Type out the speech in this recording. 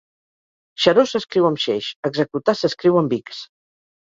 Xaró s'escriu amb xeix; executar s'escriu amb ics.